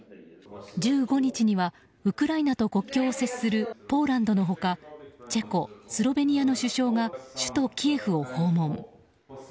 １５日にはウクライナと国境を接するポーランドの他チェコ、スロベニアの首相が首都キエフを訪問。